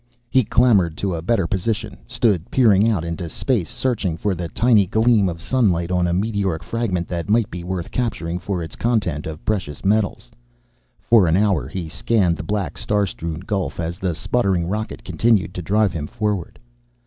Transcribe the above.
He clambered to a better position; stood peering out into space, searching for the tiny gleam of sunlight on a meteoric fragment that might be worth capturing for its content of precious metals. For an hour he scanned the black, star strewn gulf, as the sputtering rocket continued to drive him forward.